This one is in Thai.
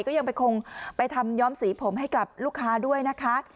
ก็ยังไปคงไปทำย้อมสีผมให้กับลูกค้าด้วยนะคะ